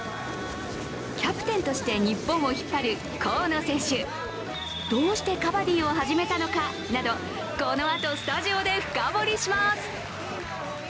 キャプテンとして日本を引っ張る河野選手、どうしてカバディを始めたのかなど、このあとスタジオで深掘りします。